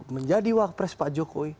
menjadi wak pres pak jokowi